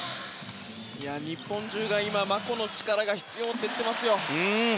日本中がマコの力が必要だって言ってますよ。